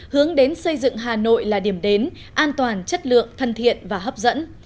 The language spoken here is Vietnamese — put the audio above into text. hướng đến xây dựng hà nội là điểm đến an toàn chất lượng thân thiện và hấp dẫn